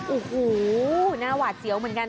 โอ้โหหน้าหวาดเสียวเหมือนกัน